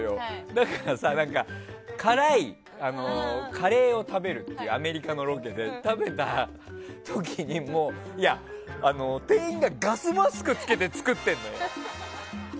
だから辛いカレーを食べるっていうアメリカのロケで食べた時に店員がガスマスクを着けて作ってんのよ。